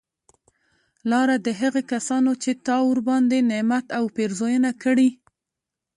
لاره د هغه کسانو چې تا ورباندي نعمت او پیرزونه کړي